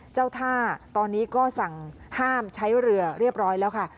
เจ้าท่าตอนนี้ก็สั่งห้ามใช้เรือเรียบร้อยแล้วค่ะ